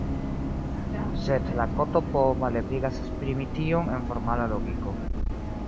Sed la "ktp" malebligas esprimi tion en formala logiko.